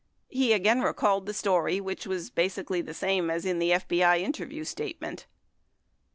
He a Tain recalled the story which was basically the same as in the FBI interview statement.